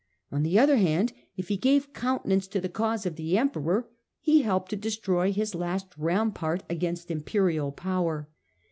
On the other hand, if he gave countenance to the cause of the Emperor, he helped to destroy his last rampart against the Imperial power.